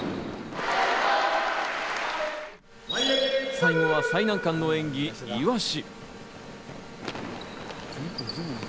最後は最難関の演技、イワシ。